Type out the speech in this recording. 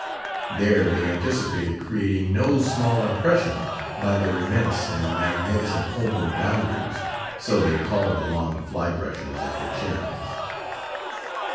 There they anticipated creating no small impression by their immense and magnificent homeward bounders—so they called the long fly brushes at their chins.